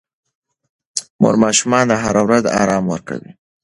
مور ماشوم ته هره ورځ ارام ورکوي.